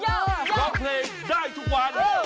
เพราะเพลงได้ทุกวัน